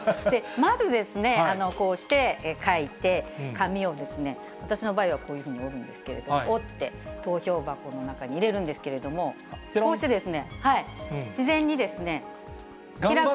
まずですね、こうして書いて、紙を、私の場合はこういうふうに折るんですけど、折って、投票箱の中に入れるんですけれども、こうして、自然に開く。